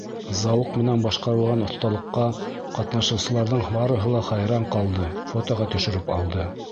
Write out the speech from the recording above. Зауыҡ менән башҡарылған оҫталыҡҡа ҡатнашыусыларҙың барыһы ла хайран ҡалды, фотоға төшөрөп алды.